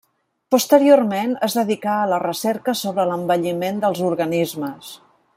Posteriorment es dedicà a la recerca sobre l'envelliment dels organismes.